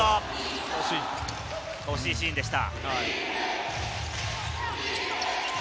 惜しいシーンでした。